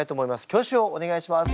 挙手をお願いします。